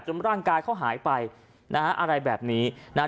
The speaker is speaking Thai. ร่างกายเขาหายไปนะฮะอะไรแบบนี้นะฮะ